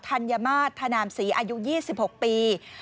ธัญมาตรธนามศรีอายุ๒๖ปี